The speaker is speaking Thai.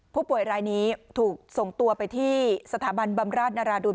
ผู้ป่วยรายนี้ถูกส่งตัวไปที่สถาบันบำราชนราดุล